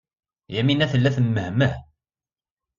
Yamina tella temmehmeh.